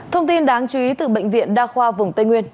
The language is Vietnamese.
thông tin đáng chú ý từ bệnh viện đa khoa vùng tây nguyên